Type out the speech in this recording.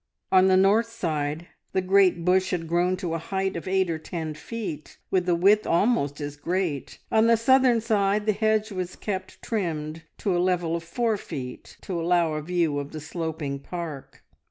On the north side the great bush had grown to a height of eight or ten feet, with a width almost as great; on the southern side the hedge was kept trimmed to a level of four feet, to allow a view of the sloping park.